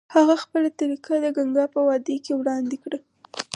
هغه خپله طریقه د ګنګا په وادۍ کې وړاندې کړه.